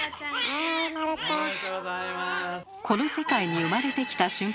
この世界に生まれてきた瞬間